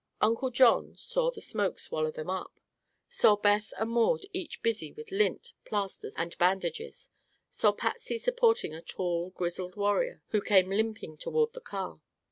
Uncle John saw the smoke swallow them up, saw Beth and Maud each busy with lint, plasters and bandages, saw Patsy supporting a tall, grizzled warrior who came limping toward the car.